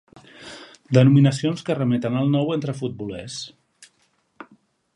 Denominacions que remeten al nou entre futbolers.